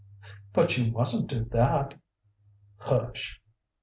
"But you mustn't do that " "Hush!"